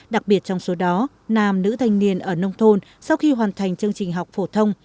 đặc biệt trong số đó nam nữ thanh niên ở nông thôn sau khi hoàn thành chương trình học phổ thông